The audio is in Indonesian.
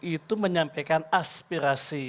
itu menyampaikan aspirasi